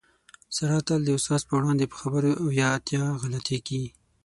ساره تل د استاد په وړاندې په خبرو کې اویا اتیا غلطېږي.